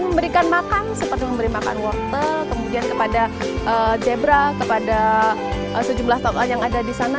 memberikan makan seperti memberi makan wortel kemudian kepada zebra kepada sejumlah tokoh yang ada di sana